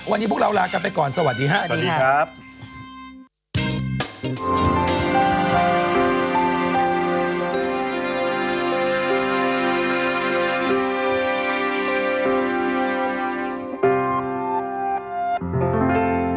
วันนี้พวกเราลากันไปก่อนสวัสดีครับสวัสดีครับ